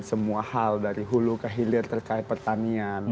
semua hal dari hulu ke hilir terkait pertanian